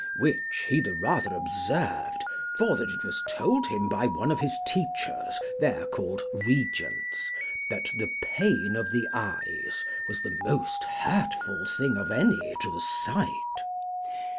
Which he the rather observed, for that it was told him by one of his teachers, there called regents, that the pain of the eyes was the most hurtful thing of any to the sight.